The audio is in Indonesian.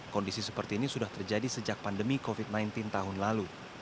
kondisi seperti ini sudah terjadi sejak pandemi covid sembilan belas tahun lalu